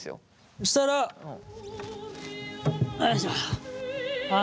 そしたらよいしょあの。